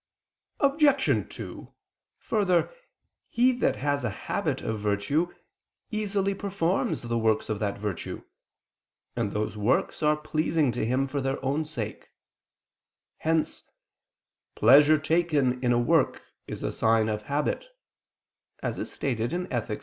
Obj. 2: Further, he that has a habit of virtue easily performs the works of that virtue, and those works are pleasing to him for their own sake: hence "pleasure taken in a work is a sign of habit" (Ethic.